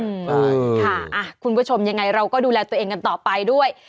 ค่ะคุณผู้ชมยังไงเราก็ดูแลตัวเองกันต่อไปด้วย